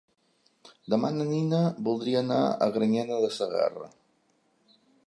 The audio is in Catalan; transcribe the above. Demà na Nina voldria anar a Granyena de Segarra.